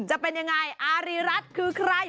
จะเป็นยังไงอารีรัฐคือใคร